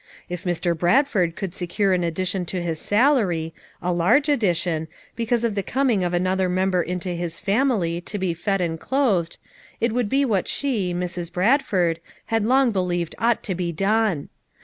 If Mr. Bradford could secure an addition to his salary, a large addition, hecause of the coming of an other memher into his family to he fed and clothed, it would be what she, Mrs. Bradford, had long believed ought to be done.